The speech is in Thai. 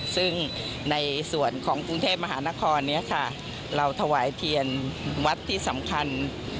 ซึ่งในส่วนของกรุงเทพมหานครนี้ค่ะเราถวายเทียนวัดที่สำคัญ